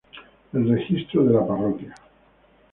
El registro de la parroquia St.